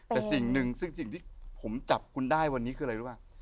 แต่สิ่งหนึ่งซึ่งสิ่งที่ผมจับคุณได้วันนี้คืออะไรรู้ป่ะ